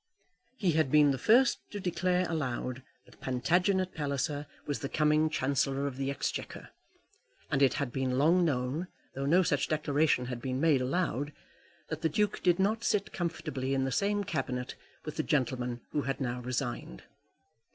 He had been the first to declare aloud that Plantagenet Palliser was the coming Chancellor of the Exchequer; and it had been long known, though no such declaration had been made aloud, that the Duke did not sit comfortably in the same Cabinet with the gentleman who had now resigned.